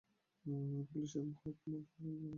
পুলিশের হাতে মদ পান করার মজাই আলাদা।